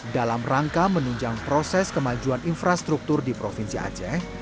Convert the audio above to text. dalam rangka menunjang proses kemajuan infrastruktur di provinsi aceh